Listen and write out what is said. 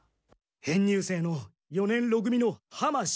編入生の四年ろ組の浜守一郎だ。